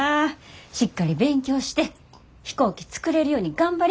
しっかり勉強して飛行機作れるように頑張り。